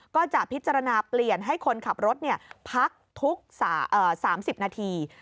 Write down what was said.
ก็จะพิจารณาเปลี่ยนให้คนขับรถพักทุก๓๐นาที